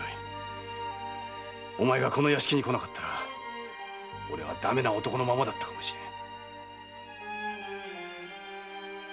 お前がこの屋敷に来なかったら俺はダメな男のままだったかもしれぬ。